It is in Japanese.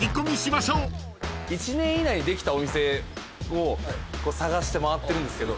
１年以内にできたお店を探して回ってるんですけど。